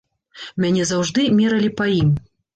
Мяне заўжды мералі па ім.